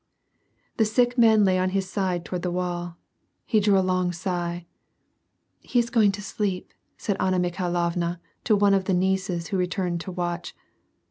VOL. 1. — 7. 98 WAR AXD PEACE. The sick man lay on his side toward the wall. He drew a long sigh. '' He is going to sleep/' said Anna Mikhailovna, to one of the nieces who returned to i^^atch.